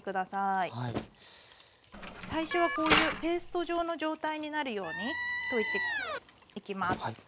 最初はこういうペースト状の状態になるように溶いていきます。